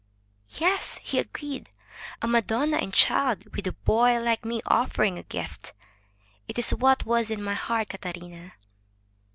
'' "Yes," he agreed. "A madonna and child, with a boy like me offering a gift. It is what was in my heart, Catarina."